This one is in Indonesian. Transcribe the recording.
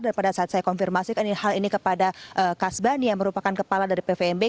pada saat saya konfirmasi hal ini kepada kasbani yang merupakan kepala dari pvmb